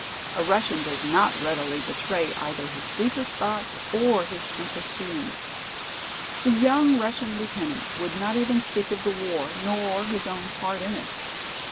A Russian does not readily betray either his deeper thoughts or his deeper feelings. The young Russian lieutenant would not even speak of the war nor his own part in it.